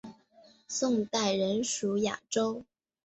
宋代仍属雅州。